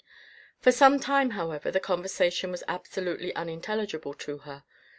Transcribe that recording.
For some time, however, the conversation was absolutely unintelligible to her.